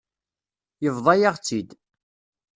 Yebḍa-yaɣ-tt-id.